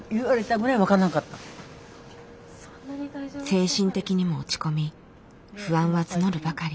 精神的にも落ち込み不安は募るばかり。